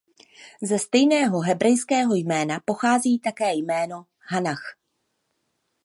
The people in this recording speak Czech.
Ze stejného hebrejského jména pochází také jméno Hannah.